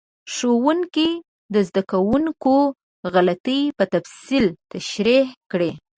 ښوونکي د زده کوونکو غلطۍ په تفصیل تشریح کړې.